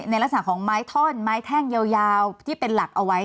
ในลักษณะของไม้ท่อนไม้แท่งยาวที่เป็นหลักเอาไว้